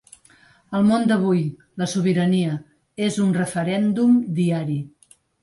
El món d’avui, la sobirania, és un referèndum diari.